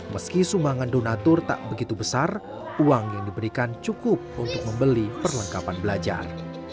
meski sumbangan donatur tak begitu besar uang yang diberikan cukup untuk membeli perlengkapan belajar